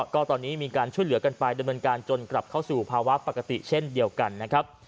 ก็ตอนนี้มีการช่วยเหลือกันไปดำเนินการจนกลับเข้าสู่ภาวะปกติเช่นเดียวกันนะครับ